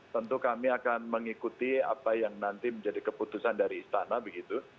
tentu kami akan mengikuti apa yang nanti menjadi keputusan dari istana begitu